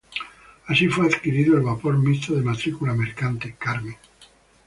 Así fue adquirido el vapor mixto de matrícula mercante "Carmen".